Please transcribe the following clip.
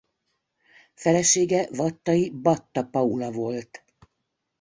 Felesége vattai Batta Paula volt.